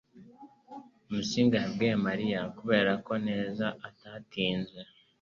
Musinga yabwiye Mariya kureba neza ko atatinze.